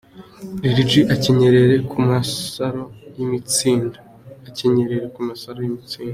Lil G akenyerere ku masaro y’imitsindo.